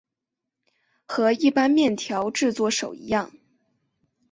和一般面条制作手一样。